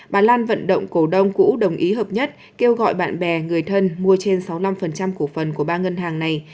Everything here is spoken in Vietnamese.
bà lan vận động cổ đông cũ đồng ý hợp nhất kêu gọi bạn bè người thân mua trên sáu mươi năm cổ phần của ba ngân hàng này